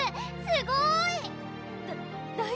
すごい！だ